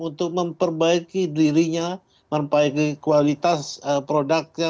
untuk memperbaiki dirinya memperbaiki kualitas produknya